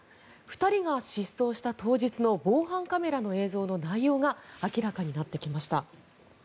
２人が失踪した当日の防犯カメラの映像の内容が明らかになってきました。